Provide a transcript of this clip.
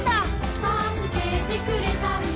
「たすけてくれたんだ」